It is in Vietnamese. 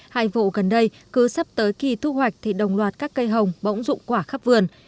hai vụ gần đây cứ sắp tới kỳ thu hoạch thì đồng loạt các cây hồng bỗng dụng quả khắp vườn